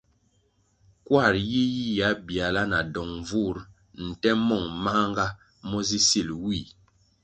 Kwar yiyihya biala na dong vur nte mong manʼnga mo zi sil ywih.